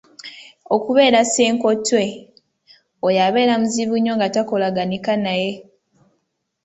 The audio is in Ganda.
Okubeera Ssenkotwe: oyo abeera muzibu nnyo nga takolaganika naye.